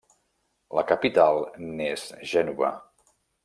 La capital n'és Gènova.